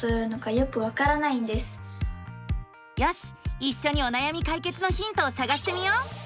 いっしょにおなやみ解決のヒントをさがしてみよう！